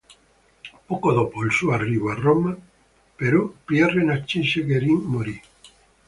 Poco dopo il suo arrivo a Roma, però, Pierre-Narcisse Guérin morì.